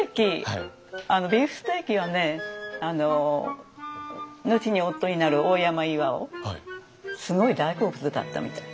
ビーフステーキをね後に夫になる大山巌すごい大好物だったみたい。